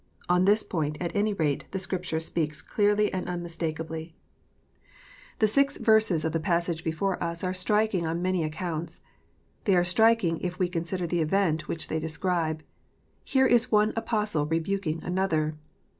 On this point, at any rate, the Scripture speaks clearly and unmistakably. 363 364 KNOTS UNTIED. The six versos of the passage before us are striking on many accounts. They are striking, if we consider the event which they describe : here is one Apostle rebuking another